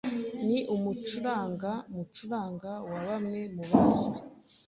Ni umucuranga mucuranga wa bamwe bazwi.